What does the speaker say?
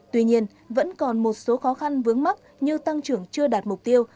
tuy nhiên vẫn còn một số khó khăn vướng mắt như tăng trưởng chưa đạt mục tiêu